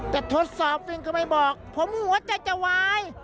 แต่ทดสอบวินก็ไม่บอกผมหัวใจจะวาย